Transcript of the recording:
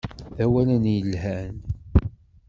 D awalen i yelhan.